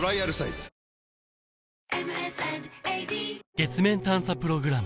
月面探査プログラム